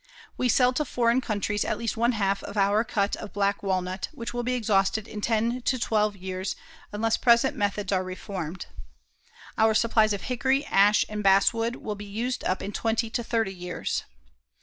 We sell to foreign countries at least one half of our cut of black walnut which will be exhausted in ten to twelve years unless present methods are reformed. Our supplies of hickory, ash and basswood will be used up in twenty to thirty years.